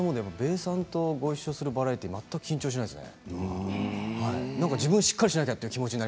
さんとごいっしょするバラエティーは全く緊張しないですね。